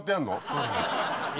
そうなんです。